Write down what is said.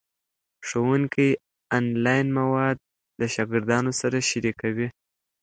ښوونکي آنلاین مواد له شاګردانو سره شریکوي.